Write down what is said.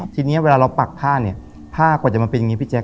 ทีนี้เวลาเราปักผ้าเนี่ยผ้ากว่าจะมาเป็นอย่างนี้พี่แจ